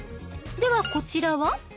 ではこちらは？